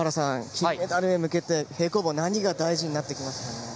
金メダルへ向けて平行棒何が大事になってきますか？